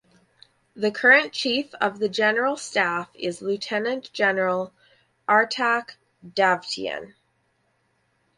The current Chief of the General Staff is Lieutenant General Artak Davtyan.